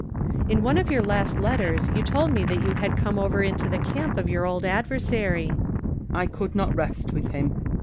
In one of your last letters you told me that you had come over into the camp of your old adversary. Marcus. I could not rest with him.